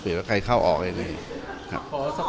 เดี๋ยวใครเข้าออกอย่างนี้ครับ